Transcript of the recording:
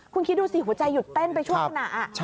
คุณคิดดูสิหัวใจหยุดเต้นไปชั่วขณะ